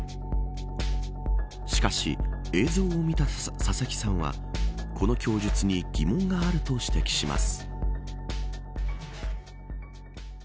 しかし、映像を見た佐々木さんはこの供述に疑問があると指摘します。